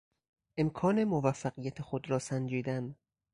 امکان موفقیت خود را سنجیدن